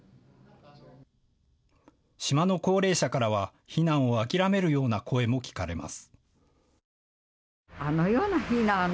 島の高齢者からは、避難を諦めるような声も聞かれます。